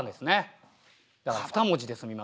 だから２文字で済みますよ私。